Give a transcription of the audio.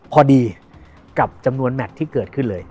พอดีกับจำนวนแมทที่เกิดขึ้นเลย